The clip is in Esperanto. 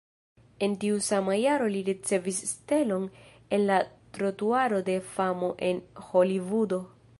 En tiu sama jaro li ricevis stelon en la Trotuaro de famo en Holivudo.